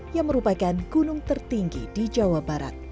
yang merupakan gunung tertinggi di jawa barat